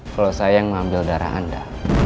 kalau saya yang mengambil darah anda